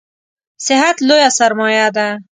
صحت لویه سرمایه ده